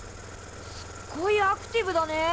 すっごいアクティブだね。